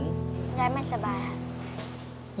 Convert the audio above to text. ยายไม่สบายค่ะ